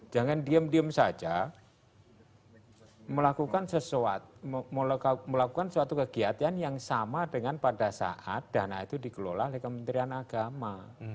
jangan diem diem saja melakukan sesuatu melakukan suatu kegiatan yang sama dengan pada saat dana itu dikelola oleh kementerian agama